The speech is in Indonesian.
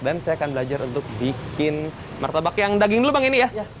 dan saya akan belajar untuk bikin martabak yang daging dulu bang ini ya